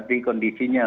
zonek kuning kita juga ada